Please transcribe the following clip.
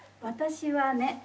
「私はね」